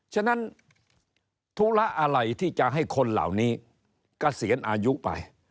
ฉะนั้นธุระอะไรที่จะให้คนเหล่านี้เกษียณอายุไป